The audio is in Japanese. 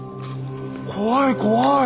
怖い怖い！